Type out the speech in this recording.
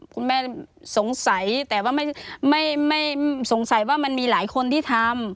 คุณแม่สงสัยแต่ว่าไม่สงสัยว่ามันมีหลายคนที่ทำ